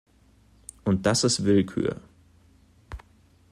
Und das ist Willkür.